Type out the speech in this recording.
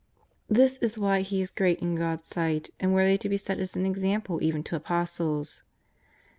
This is why he is great in God's sight and worthy to be set as an example even to Apostles.